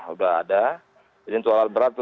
sudah ada jadi untuk alat berat